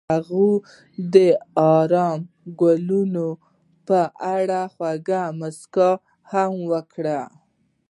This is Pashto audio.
هغې د آرام ګلونه په اړه خوږه موسکا هم وکړه.